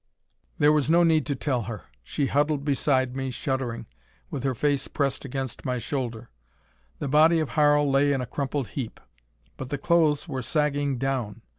There was no need to tell her. She huddled beside me, shuddering, with her face pressed against my shoulder. The body of Harl lay in a crumpled heap. But the clothes were sagging down.